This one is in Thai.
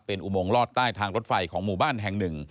เป็นอุโมงลอดใต้ทางรถไฟของหมู่บ้านแห่งหนึ่ง